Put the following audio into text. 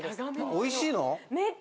おいしいの？